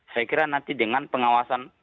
saya kira nanti dengan pengawasan